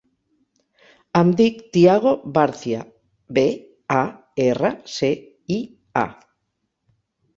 Em dic Thiago Barcia: be, a, erra, ce, i, a.